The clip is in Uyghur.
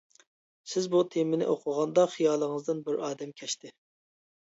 سىز بۇ تېمىنى ئوقۇغاندا خىيالىڭىزدىن بىر ئادەم كەچتى.